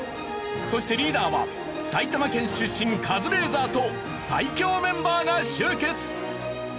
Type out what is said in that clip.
そしてリーダーは埼玉県出身カズレーザーと最強メンバーが集結！